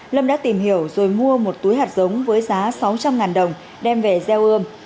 lâm đã tìm hiểu rồi mua một túi hạt giống với giá sáu trăm linh đồng đem về gieo ươm